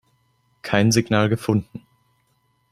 Kein Signal gefunden.